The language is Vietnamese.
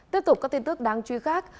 tiếp tục có tin tức đáng truy khác